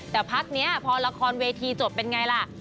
แต่พักนี้พอละครเวทีจบเป็นไงล่ะ